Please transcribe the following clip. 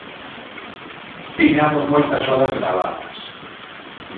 Tiñamos moitas horas gravadas.